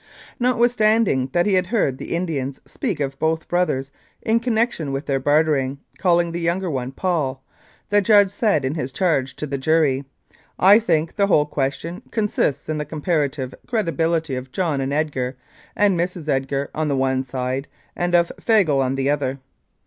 Notwithstanding that he had heard the Indians speak of both brothers in connection with their bartering, calling the younger one " Paul," the judge said in his charge to the jury, " I think the whole question consists in the comparative credibility of John and Edgar and Mrs. Edgar on the one side and of Fagle on the other.